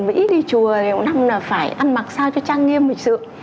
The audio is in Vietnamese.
mới ít đi chùa thì cũng làm là phải ăn mặc sao cho trang nghiêm một sự